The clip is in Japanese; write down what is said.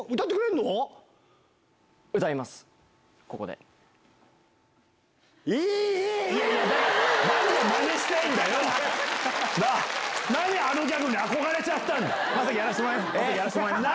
なんであのギャグに憧れちゃったんだ。